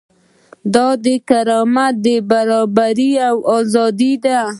دا کرامت، برابري او ازادي ده.